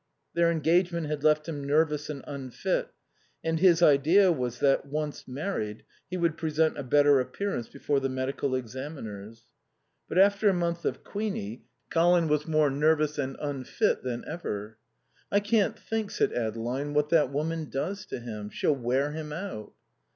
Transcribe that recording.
Their engagement had left him nervous and unfit, and his idea was that, once married, he would present a better appearance before the medical examiners. But after a month of Queenie, Colin was more nervous and unfit than ever. "I can't think," said Adeline, "what that woman does to him. She'll wear him out."